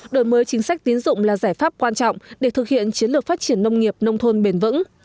đổi mới chính sách tín dụng là giải pháp quan trọng để thực hiện chiến lược phát triển nông nghiệp nông thôn bền vững